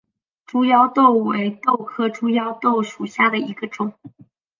猪腰豆为豆科猪腰豆属下的一个种。